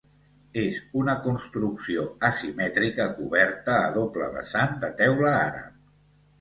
És una construcció asimètrica coberta a doble vessant de teula àrab.